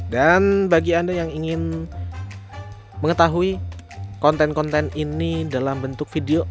dan bagi anda yang ingin mengetahui konten konten ini dalam bentuk video